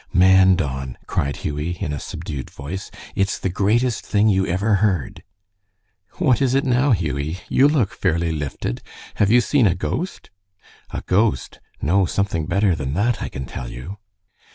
"Man, Don!" cried Hughie, in a subdued voice, "it's the greatest thing you ever heard!" "What is it now, Hughie? You look fairly lifted. Have you seen a ghost?" "A ghost? No, something better than that, I can tell you."